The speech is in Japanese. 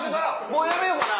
もうやめようかな。